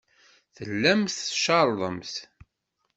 Tellamt tcerrḍemt.